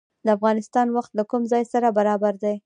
د افغانستان وخت له کوم ځای سره برابر دی؟